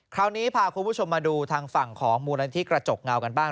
คราวนี้พาคุณผู้ชมมาดูทางฝั่งของมูลนิธิกระจกเงากันบ้าง